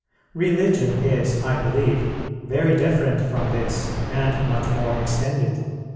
Religion is, I believe, very different from this, and much more extended.